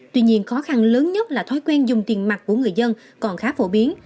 tuy nhiên khó khăn lớn nhất là thói quen dùng tiền mặt của người dân còn khá phổ biến